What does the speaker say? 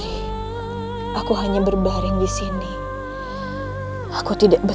jangan melintaskan teman